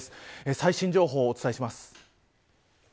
最新情報をお伝えします。